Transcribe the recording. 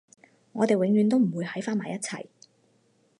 我哋永遠都唔會喺返埋一齊